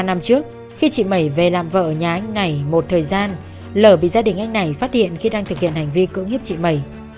ba năm trước khi chị mẩy về làm vợ ở nhà anh này một thời gian lở bị gia đình anh này phát hiện khi đang thực hiện hành vi cưỡng hiếp chị mẩy